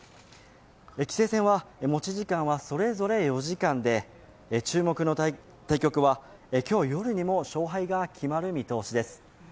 棋聖戦は持ち時間はそれぞれ４時間で注目の対局は今日夜にも勝敗が決まる見通しです。